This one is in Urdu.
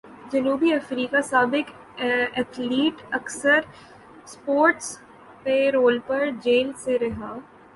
جنوبی افریقہ سابق ایتھلیٹ اسکر پسٹوریس پیرول پر جیل سے رہا